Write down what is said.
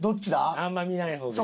あんま見ない方がいい。